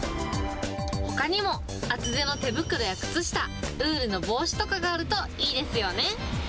ほかにも厚手の手袋や靴下、ウールの帽子とかがあるといいですよね。